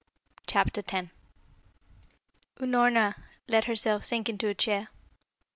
CHAPTER X Unorna let herself sink into a chair.